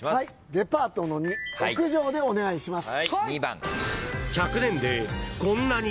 デパートの２屋上でお願いします。